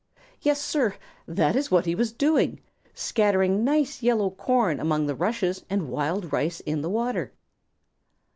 Yes, Sir, that is what he was doing, scattering nice yellow corn among the rushes and wild rice in the water!